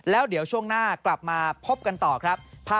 แล้วเดี๋ยวช่วงหน้ากลับมาพบกันต่อครับ